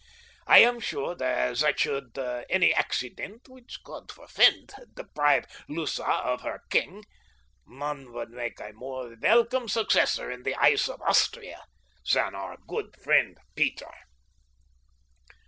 I am sure that should any accident, which God forfend, deprive Lutha of her king, none would make a more welcome successor in the eyes of Austria than our good friend Peter."